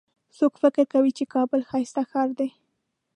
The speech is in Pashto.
څوک فکر کوي چې کابل ښایسته ښار ده